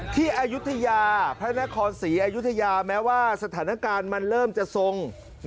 ที่พระนครศรีไอุ้ทยาแม้ว่าสถานการณ์มันเริ่มจะทรง